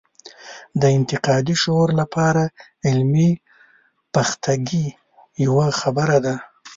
د انتقادي شعور لپاره علمي پختګي یوه خبره ده.